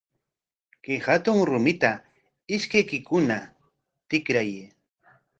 Kay hatun rumita ishkaykikuna tikrayay.